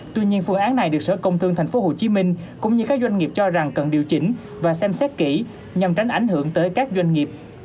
tuy nhiên phương án này được sở công thương tp hcm cũng như các doanh nghiệp cho rằng cần điều chỉnh và xem xét kỹ nhằm tránh ảnh hưởng tới các doanh nghiệp